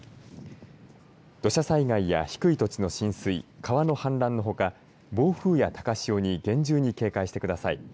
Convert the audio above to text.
土砂災害や低い土地の浸水川の氾濫のほか暴風や高潮に厳重に警戒してください。